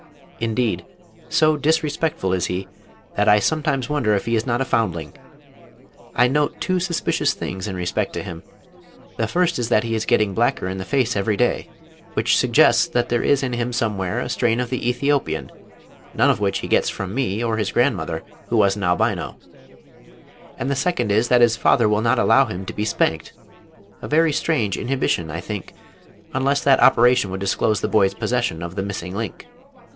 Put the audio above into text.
Indeed, so disrespectful is he that I sometimes wonder if he is not a foundling. I note two suspicious things in respect to him. The first is that he is getting blacker in the face every day, which suggests that there is in him somewhere a strain of the Æthiopian, none of which he gets from me or his grandmother, who was an Albino. And the second is that his father will not allow him to be spanked, a very strange inhibition, I think, unless that operation would disclose the boy's possession of the Missing Link.